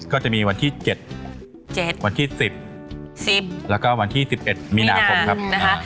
ก็จะมีวันที่เจ็ดเจ็ดวันที่สิบสิบแล้วก็วันที่สิบเอ็ดมีนาคมครับมีนา